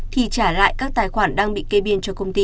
thì trả lại các tài khoản đang bị kê biên cho công ty